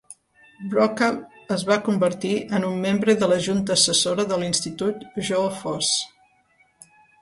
Brokaw es va convertir en un membre de la junta assessora de l'institut Joe Foss.